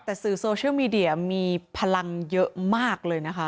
แต่สื่อโซเชียลมีเดียมีพลังเยอะมากเลยนะคะ